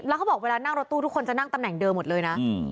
แล้วเขาบอกเวลานั่งรถตู้ทุกคนจะนั่งตำแหน่งเดิมหมดเลยนะ